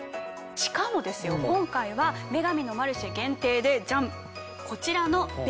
しかも今回は『女神のマルシェ』限定でジャン！こちらの。